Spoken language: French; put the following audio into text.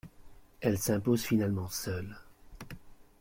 Elle s'impose finalement seule.